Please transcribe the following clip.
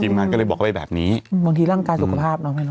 ทีมงานก็เลยบอกไปแบบนี้อืมบางทีร่างกายสุขภาพน้องให้เนอะ